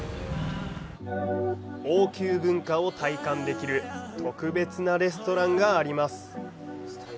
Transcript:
王宮文化を体感できる特別なレストランがあります。